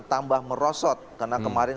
tambah merosot karena kemarin